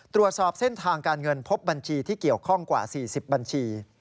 ตรวจสอบเส้นทางการเงินพบบัญชีที่เกี่ยวข้องกว่า๔๐บัญชี